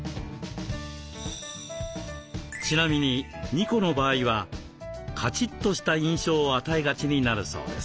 ちなみに２個の場合はカチッとした印象を与えがちになるそうです。